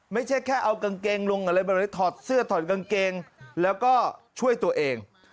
ไม่ใช่แค่เอากางเกงลุงอะไรแบบนี้ถอดเสื้อถอดกางเกงแล้วก็ช่วยตัวเอง